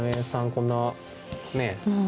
こんなね